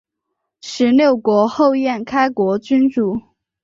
十六国后燕开国君主。